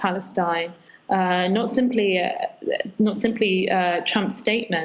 dan saya pikir itu adalah sesuatu yang harus diperhatikan